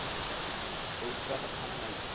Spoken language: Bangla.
এ উচ্চ আশা তাহার নাই।